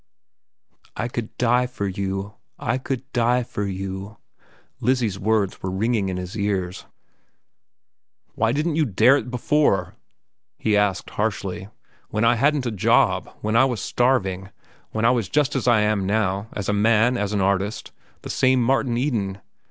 "I could die for you! I could die for you!"—Lizzie's words were ringing in his ears. "Why didn't you dare it before?" he asked harshly. "When I hadn't a job? When I was starving? When I was just as I am now, as a man, as an artist, the same Martin Eden?